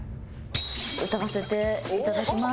歌わせていただきます。